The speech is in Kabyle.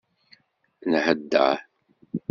Nheddeṛ.